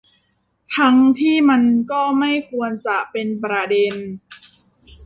ทั้งที่มันก็ไม่ควรจะเป็นประเด็น